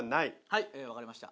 はいわかりました。